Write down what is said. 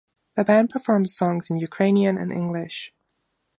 The band performs songs in Ukrainian and English.